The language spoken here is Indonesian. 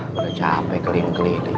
udah capek keliling keliling